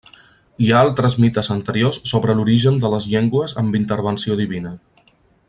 Hi ha altres mites anteriors sobre l'origen de les llengües amb intervenció divina.